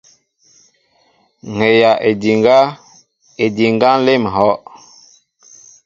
Ŋhɛjaʼédiŋga, édiŋga nlém ŋhɔʼ.